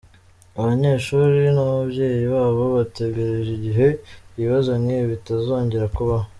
Abanyeshuri n’ababyeyi babo bategereje igihe ibibazo nk’ibi bitazongera kubaho.